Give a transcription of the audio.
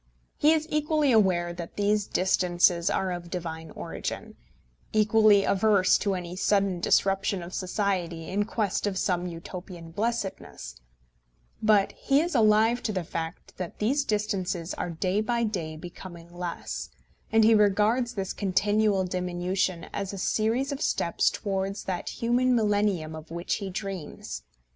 He is equally aware that these distances are of divine origin, equally averse to any sudden disruption of society in quest of some Utopian blessedness; but he is alive to the fact that these distances are day by day becoming less, and he regards this continual diminution as a series of steps towards that human millennium of which he dreams.